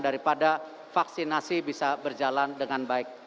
daripada vaksinasi bisa berjalan dengan baik